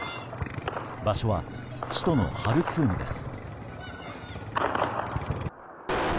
場所は首都のハルツームです。